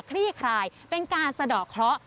คลี่คลายเป็นการสะดอกเคราะห์